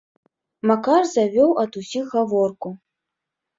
Макар завёў ад усіх гаворку.